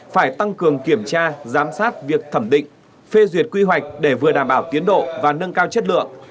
phải tăng cường kiểm tra giám sát việc thẩm định phê duyệt quy hoạch để vừa đảm bảo tiến độ và nâng cao chất lượng